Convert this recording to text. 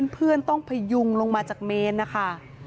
เพื่อนต้องพยุงลงมาจากเมนนะคะ